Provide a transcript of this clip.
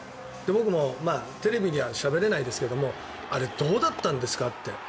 僕もテレビではしゃべれないですがあれ、どうだったんですかって。